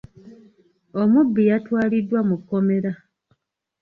Omubbi yatwaliddwa mu kkomera.